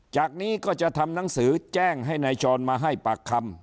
จากนี้ก็จะทำหนังสือแจ้งให้นายชรมาให้ปากคำ